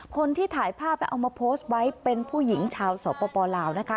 คนที่ถ่ายภาพแล้วเอามาโพสต์ไว้เป็นผู้หญิงชาวสปลาวนะคะ